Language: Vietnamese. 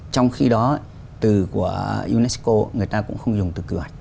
trong khi đó từ của unesco người ta cũng không dùng từ quy hoạch